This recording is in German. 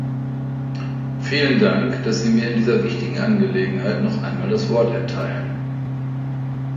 Vielen Dank, dass sie mir in dieser wichtigen Angelegenheit noch einmal das Wort erteilen.